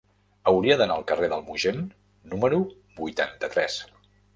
Hauria d'anar al carrer del Mogent número vuitanta-tres.